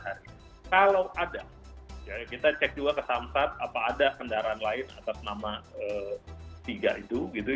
kalau ada kita cek juga ke samsat apa ada kendaraan lain atas nama tiga itu gitu